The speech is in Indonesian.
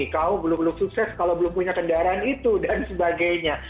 kau belum sukses kalau belum punya kendaraan itu dan sebagainya